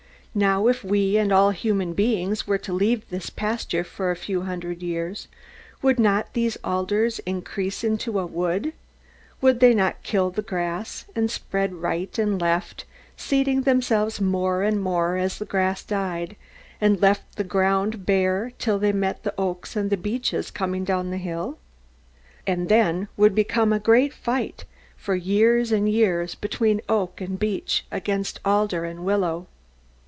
Now, if we and all human beings were to leave this pasture for a few hundred years, would not those alders increase into a wood? Would they not kill the grass, and spread right and left, seeding themselves more and more as the grass died, and left the ground bare, till they met the oaks and beeches coming down the hill? And then would begin a great fight, for years and years, between oak and beech against alder and willow.